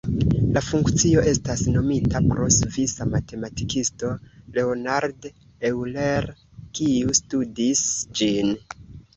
La funkcio estas nomita pro svisa matematikisto Leonhard Euler, kiu studis ĝin.